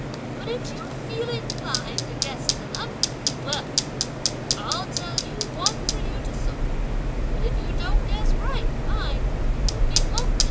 But if you feel inclined to guess conundrums, well, I'll tell you one for you to solve; but if you don't guess right, mind, you'll be mulcted!"